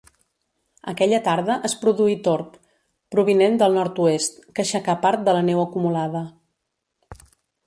Aquella tarda es produí torb, provinent del nord-oest, que aixecà part de la neu acumulada.